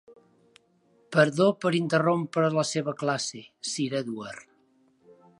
Perdó per interrompre la seva classe, Sir Edward.